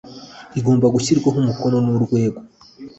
igomba gushyirwaho umukono n urwego